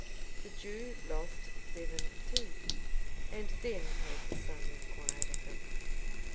The Jew lost seven teeth, and then paid the sum required of him.